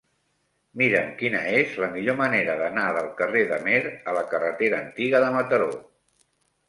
Mira'm quina és la millor manera d'anar del carrer d'Amer a la carretera Antiga de Mataró.